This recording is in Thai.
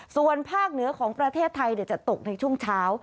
ส่วนภาคเหนือของประเทศไทยจะตกในช่วงเช้า